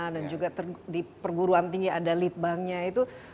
juga di perguruan tinggi ada lead banknya itu